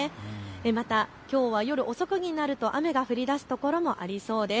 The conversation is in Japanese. また、きょうは夜遅くになると雨が降りだす所もありそうです。